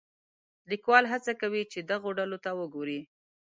لیکوال هڅه کوي چې دغو ډلو ته وګوري.